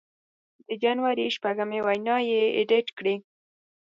د جنوري شپږمې وینا یې اېډېټ کړې